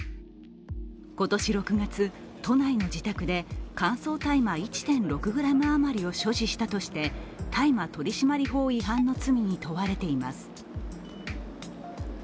今年６月、都内の自宅で乾燥大麻１．６ｇ余りを所持したとして大麻取締法違反の罪に問われています。